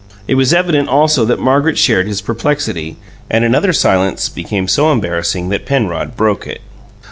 It was evident, also, that Margaret shared his perplexity; and another silence became so embarrassing that Penrod broke it.